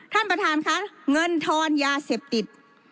ท่านประธานค่ะเงินทอนยาเสพติด